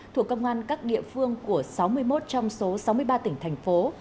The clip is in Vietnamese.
thuộc công an các địa phương của sáu mươi một trong số sáu mươi ba tỉnh thành phố